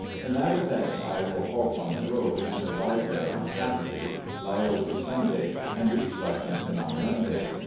In that event, I will halt on the road, and arrive there on Saturday, lie over Sunday, and reach Lexington on Monday.